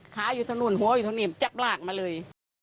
ขาอยู่ทางนู้นหัวอยู่เท่านี้จับลากมาเลย